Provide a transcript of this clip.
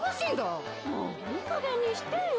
もういいかげんにしてよ。